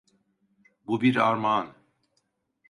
Bu bir armağan.